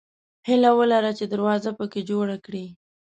هیله ولره چې دروازه پکې جوړه کړې.